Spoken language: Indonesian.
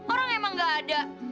orang emang gak ada